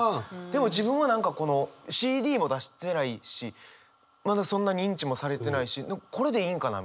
でも自分は何かこのＣＤも出してないしまだそんな認知もされてないしこれでいいんかな？